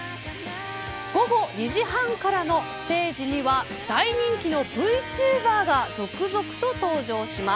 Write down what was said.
午後２時半からのステージには大人気のＶＴｕｂｅｒが続々と登場します。